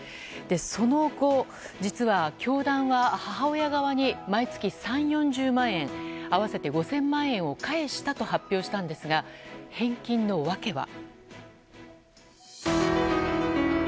その後、実は教団は母親側に毎月３０４０万円合わせて５０００万円を返したと発表したんですが返金の訳は。